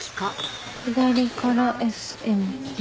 左からＳＭＬ。